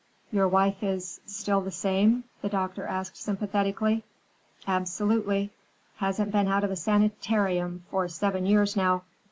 "Your wife is—still the same?" the doctor asked sympathetically. "Absolutely. Hasn't been out of a sanitarium for seven years now.